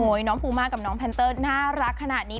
น้องภูมากับน้องแพนเตอร์น่ารักขนาดนี้